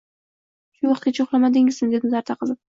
Shu vaqtgacha uxlamadingizmi! — dedim zarda qilib.